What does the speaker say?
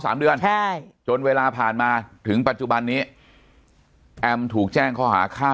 สามเดือนใช่จนเวลาผ่านมาถึงปัจจุบันนี้แอมถูกแจ้งข้อหาฆ่า